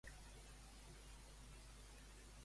A quina xarxa social va difondre Lola Vendetta?